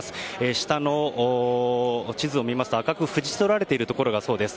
下の地図を見ますと赤く縁どられているところがそうです。